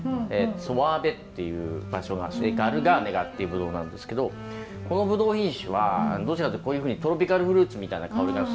ソアーヴェっていう場所がガルガーネガっていうブドウなんですけどこのブドウ品種はどちらかというとこういうふうにトロピカルフルーツみたいな香りがすごくするんですね。